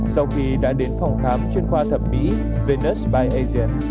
sau khi đã đến phòng khám chuyên khoa thẩm mỹ venus by asian